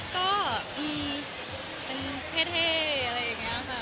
ก็มีเป็นเท่อะไรอย่างนี้ค่ะ